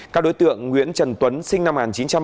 các đối tượng nguyễn trần tuấn sinh năm hai nghìn